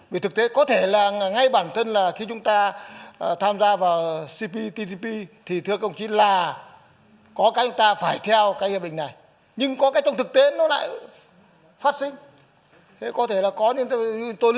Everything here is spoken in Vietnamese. để có dịch vụ thanh toán hộ